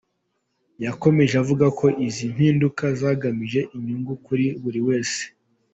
Yakomeje avuga ko izi mpinduka zigamije inyungu kuri buri wese.